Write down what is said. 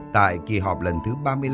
tại kỳ họp lần thứ ba mươi năm